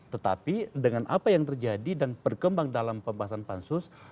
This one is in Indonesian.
tetapi dengan apa yang terjadi dan berkembang dalam pembahasan pansus